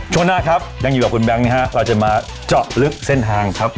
ช่วงหน้าครับยังอยู่กับคุณแบงค์นะฮะเราจะมาเจาะลึกเส้นทางครับ